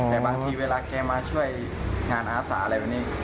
แต่บางทีเวลาแกมาช่วยงานอาสาอะไรแบบนี้